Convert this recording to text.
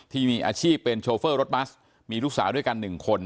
ที่มีอาชีพเป็นโชเฟอร์รถบัสมีลูกสาวด้วยกัน๑คน